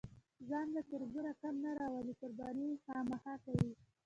ځان له تربوره کم نه راولي، قرباني خامخا کوي.